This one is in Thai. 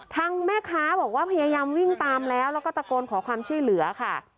ทางแม่ค้าบอกว่าพยายามวิ่งตามแล้วแล้วก็ตะโกนขอความช่วยเหลือค่ะ